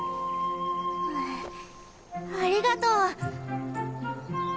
ありがとう。